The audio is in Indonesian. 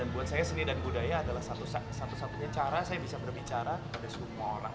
dan buat saya seni dan budaya adalah satu satunya cara saya bisa berbicara kepada semua orang